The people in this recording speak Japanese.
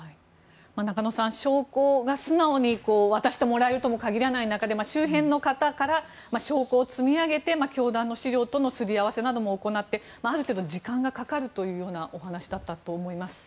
中野さん、証拠が素直に渡してもらえるとも限らない中で、周辺の方から証拠を積み上げて教団の資料とのすり合わせなども行ってある程度、時間がかかるというお話だったと思います。